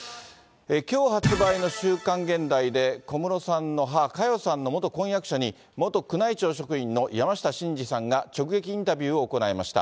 きょう発売の週刊現代で、小室さんの母、佳代さんの元婚約者に元宮内庁職員の山下晋司さんが、直撃インタビューを行いました。